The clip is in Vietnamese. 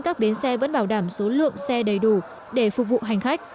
các bến xe vẫn bảo đảm số lượng xe đầy đủ để phục vụ hành khách